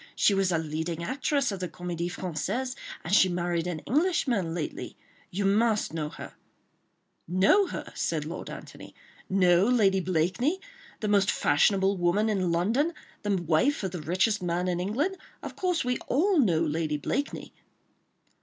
She was a leading actress of the Comédie Française, and she married an Englishman lately. You must know her—" "Know her?" said Lord Antony. "Know Lady Blakeney—the most fashionable woman in London—the wife of the richest man in England? Of course, we all know Lady Blakeney."